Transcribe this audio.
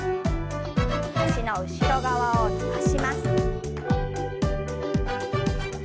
脚の後ろ側を伸ばします。